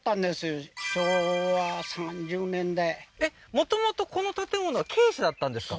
もともとこの建物は鶏舎だったんですか？